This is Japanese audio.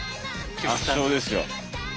圧勝ですよ。